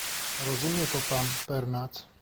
"Rozumie to pan, Pernat?"